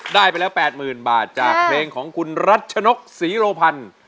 ได้ไปแล้ว๘๐๐๐บาทจากเพลงของคุณรัชนกศรีโรพันธ์